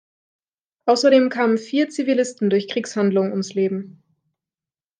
Außerdem kamen vier Zivilisten durch Kriegshandlungen ums Leben.